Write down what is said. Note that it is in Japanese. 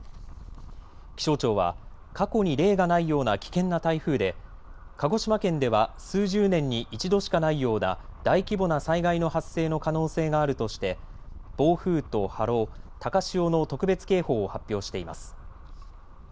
気象庁は過去に例がないような危険な台風で鹿児島県では数十年に一度しかないような大規模な災害の発生の可能性があるとして暴風と波浪、高潮の特別警報を発表しています。